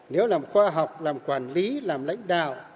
nếu làm khoa học làm quản lý làm lãnh đạo